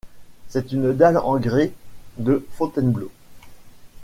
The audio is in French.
C'est une dalle en grès de Fontainebleau.